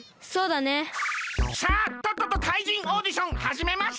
さあとっとと怪人オーディションはじめますか！